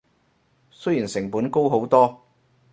雖然成本高好多